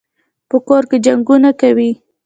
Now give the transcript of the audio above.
په کور کي جنګونه کوي.